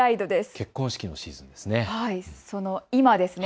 結婚式のシーズンですね。